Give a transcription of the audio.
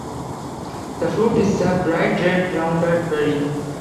The fruit is a bright red rounded berry.